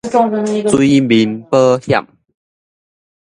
水面保險